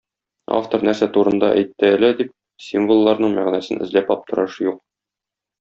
Автор нәрсә турында әйтте әле, дип, символларның мәгънәсен эзләп аптыраш юк.